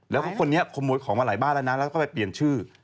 แล้วก็คนนี้ขโมยของมาหลายบ้านแล้วนะแล้วก็ไปเปลี่ยนชื่อ